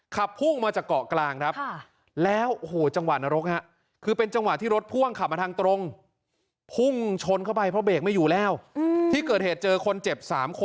ขับภูงมาจากเกาะกลางครับ